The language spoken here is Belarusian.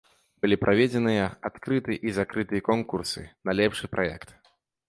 Былі праведзеныя адкрыты і закрыты конкурсы на лепшы праект.